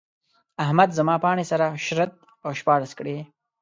احمد زما پاڼې سره شرت او شپاړس کړې.